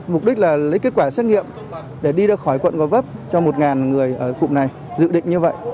mục đích là lấy kết quả xét nghiệm để đi ra khỏi quận gò vấp cho một người ở cụm này dự định như vậy